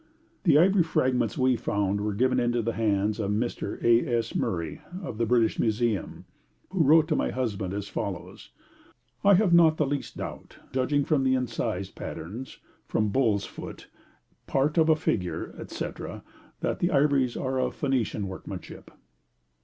The ivory fragments we found were given into the hands of Mr. A. S. Murray, of the British Museum, who wrote to my husband as follows: 'I have not the least doubt, judging from the incised patterns, from bull's foot, part of a figure, &c., that the ivories are of Phoenician workmanship.'